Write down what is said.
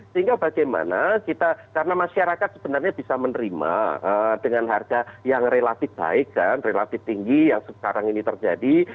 sehingga bagaimana kita karena masyarakat sebenarnya bisa menerima dengan harga yang relatif baik kan relatif tinggi yang sekarang ini terjadi